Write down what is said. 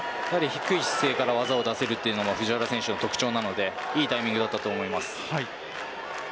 低い姿勢から技を出せるのも藤原選手の特徴なのでいいタイミングだったと思います。